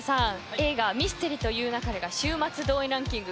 映画「ミステリと言う勿れ」が週末動員ランキング